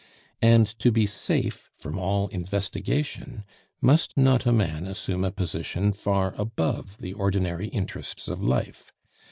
And to be safe from all investigation, must not a man assume a position far above the ordinary interests of life.